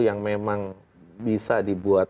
yang memang bisa dibuat